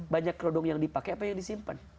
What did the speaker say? banyak kerodong yang dipakai apa yang disimpan